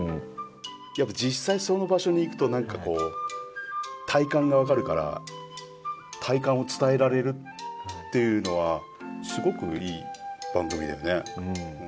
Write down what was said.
やっぱ実際その場所に行くと何かこう体感が分かるから体感を伝えられるっていうのはすごくいい番組だよね。